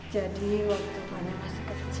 jadi waktu vanya masih kecil